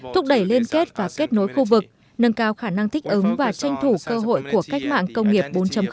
thúc đẩy liên kết và kết nối khu vực nâng cao khả năng thích ứng và tranh thủ cơ hội của cách mạng công nghiệp bốn